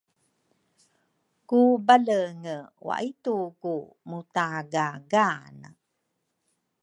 ku Balenge waituku mutaagaagane.